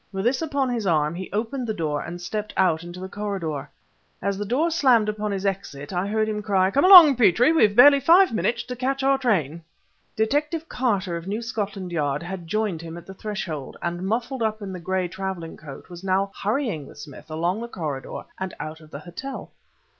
With this upon his arm he opened the door and stepped out into the corridor. As the door slammed upon his exit, I heard him cry: "Come along, Petrie! we have barely five minutes to catch our train." Detective Carter of New Scotland Yard had joined him at the threshold, and muffled up in the gray traveling coat was now hurrying with Smith along the corridor and out of the hotel.